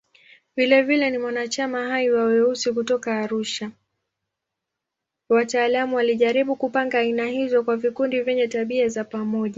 Wataalamu walijaribu kupanga aina hizo kwa vikundi vyenye tabia za pamoja.